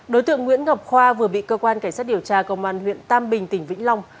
đối tượng nguyễn ngọc khoa vừa bị cơ quan cảnh sát điều tra công an huyện tam bình tỉnh vĩnh long